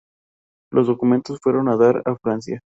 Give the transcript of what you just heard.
Los documentos fueron a dar a Francia.